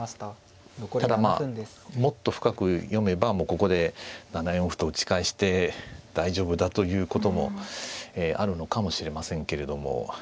ただまあもっと深く読めばもうここで７四歩と打ち返して大丈夫だということもあるのかもしれませんけれども。